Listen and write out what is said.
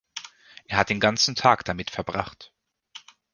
Er hat den ganzen Tag damit verbracht.